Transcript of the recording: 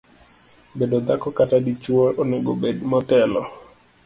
bedo dhako kata dichuo onego bed motelo